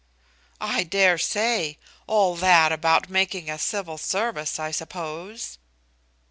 "I dare say; all that about making a Civil Service, I suppose?"